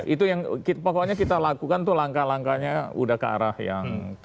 itu yang pokoknya kita lakukan tuh langkah langkahnya udah ke arah yang